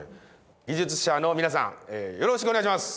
技術者の皆さんよろしくお願いします。